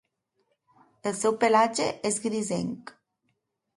El seu pelatge és grisenc.